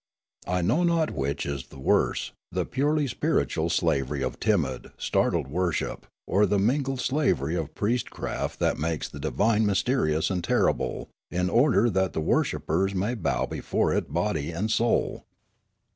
I know not which is the worse : the purely spiritual slaver}' of timid, startled worship, or the mingled slavery of priestcraft that makes the divine mysterious and terrible in order that the worshippers may bow before it body and soul.